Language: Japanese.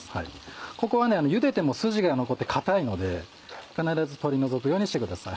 ここはゆでても筋が残って硬いので必ず取り除くようにしてください